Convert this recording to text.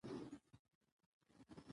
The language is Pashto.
خو د دوى سوداګري د دوى د کمال له مخې کېږي